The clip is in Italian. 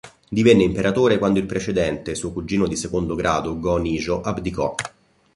Divenne imperatore quando il precedente, suo cugino di secondo grado, Go-Nijo, abdicò.